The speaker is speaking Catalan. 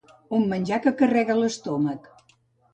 Un menjar que carrega l'estómac.